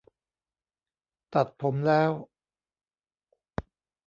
ตัดผมแล้ว